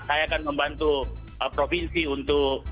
saya akan membantu provinsi untuk